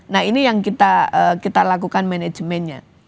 nah ini yang kita lakukan manajemennya